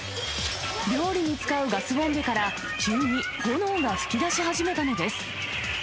料理に使うガスボンベから急に炎が噴き出し始めたのです。